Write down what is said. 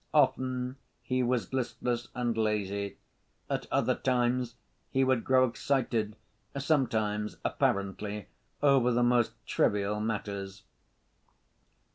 Often he was listless and lazy, at other times he would grow excited, sometimes, apparently, over the most trivial matters.